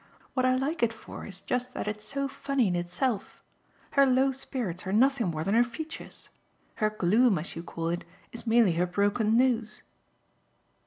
What I like it for is just that it's so funny in itself. Her low spirits are nothing more than her features. Her gloom, as you call it, is merely her broken nose."